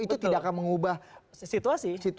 itu tidak akan mengubah situasi